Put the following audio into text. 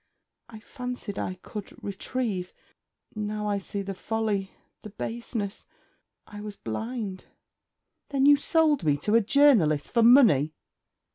'I fancied I could retrieve... Now I see the folly, the baseness. I was blind.' 'Then you sold me to a journalist for money?'